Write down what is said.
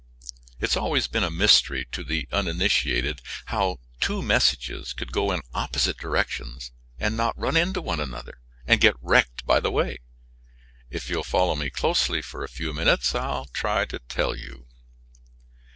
It has always been a mystery to the uninitiated how two messages could go in opposite directions and not run into one another and get wrecked by the way. If you will follow me closely for a few minutes I will try to tell you.